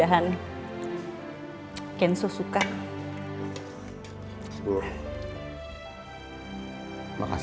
aku pengen pinipu sama ma